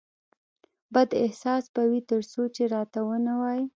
بد احساس به وي ترڅو چې راته ونه وایې